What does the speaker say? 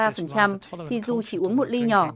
với một ba thì dù chỉ uống một ly nhỏ